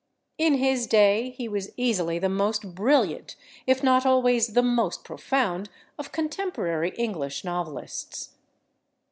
In his day he was easily the most brilliant, if not always the most profound, of contemporary English novelists.